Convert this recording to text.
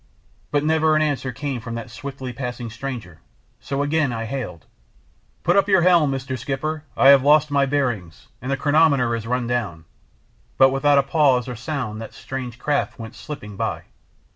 But never an answer came from that swiftly passing stranger, so again I hailed "Put up your helm, Mr. Skipper; I have lost my bearings, and the chronometer has run down," but without a pause or sound that strange craft went slipping by.